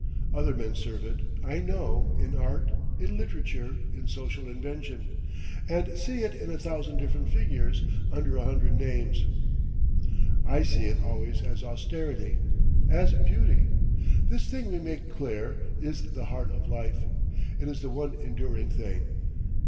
Other men serve it, I know, in art, in literature, in social invention, and see it in a thousand different figures, under a hundred names. I see it always as austerity, as beauty. This thing we make clear is the heart of life. It is the one enduring thing.